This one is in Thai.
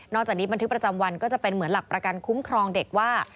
จากนี้บันทึกประจำวันก็จะเป็นเหมือนหลักประกันคุ้มครองเด็กว่า